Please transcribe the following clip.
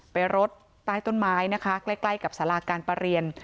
รดใต้ต้นไม้นะคะใกล้กับสาราการประเรียน